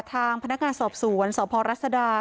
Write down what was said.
ทางพนักงานสอบสวนสพรัศดา